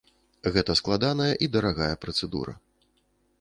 Гэта складаная і дарагая працэдура.